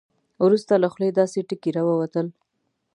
وروسته له خولې داسې ټکي راووتل.